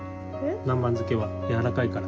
南蛮漬けはやわらかいから。